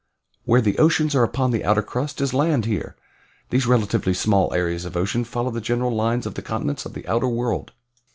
Where the oceans are upon the outer crust, is land here. These relatively small areas of ocean follow the general lines of the continents of the outer world.